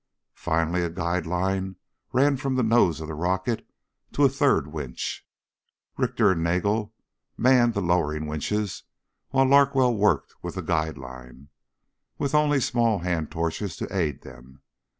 Finally a guide line ran from the nose of the rocket to a third winch. Richter and Nagel manned the lowering winches while Larkwell worked with the guide line, with only small hand torches to aid them.